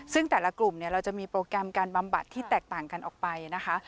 ซึ่งแต่ละกลุ่มเนี่ยเราจะมีโปรแกรมการบำบัดที่แตกต่างกันออกไปนะคะ